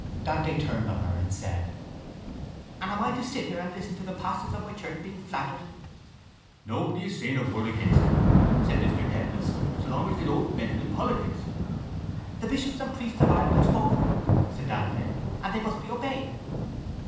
Dante turned on her and said: —And am I to sit here and listen to the pastors of my church being flouted? —Nobody is saying a word against them, said Mr Dedalus, so long as they don't meddle in politics. —The bishops and priests of Ireland have spoken, said Dante, and they must be obeyed.